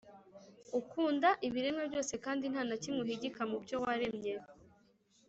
Ukunda ibiremwa byose kandi nta na kimwe uhigika mu byo waremye,